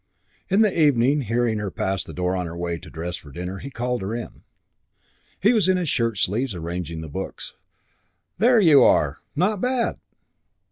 In the evening, hearing her pass the door on her way to dress for dinner, he called her in. He was in his shirt sleeves, arranging the books. "There you are! Not bad?"